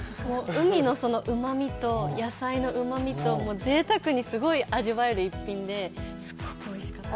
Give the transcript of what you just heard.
海のうまみと野菜のうまみと、ぜいたくにすごい味わえる一品で、すごくおいしかったです。